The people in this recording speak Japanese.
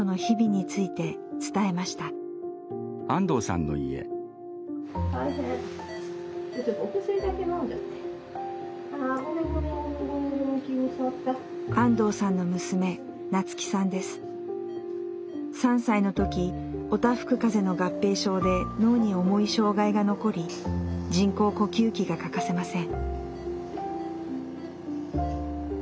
安藤さんの娘３歳の時おたふく風邪の合併症で脳に重い障害が残り人工呼吸器が欠かせません。